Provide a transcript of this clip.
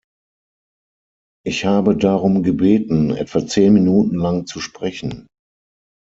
Ich habe darum gebeten, etwa zehn Minuten lang zu sprechen.